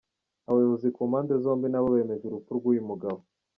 Abayobozi ku mpande zombi nabo bemeje urupfu rw’uyu mugabo.